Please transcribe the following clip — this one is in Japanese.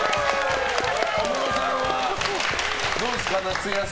小室さんはどうですか？